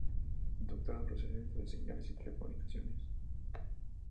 Doctorado: Procesamiento de Señales y Telecomunicaciones.